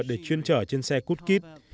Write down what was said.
để chuyên trở trên xe cút kít